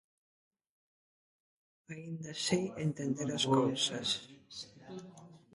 Aínda sei entender as cousas.